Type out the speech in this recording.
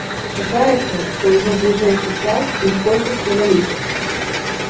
Чакаецца, што ўжо ў бліжэйшы час іх колькасць павялічыцца.